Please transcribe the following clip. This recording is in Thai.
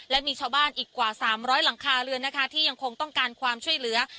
และมีชาวบ้านอีกกว่า๓๐๐หลังคาเรือนนะคะที่ยังคงต้องการความช่วยเหลือ